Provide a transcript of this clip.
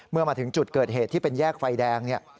เมื่อมาถึงจุดเกิดเหตุที่เป็นแยกไฟแดง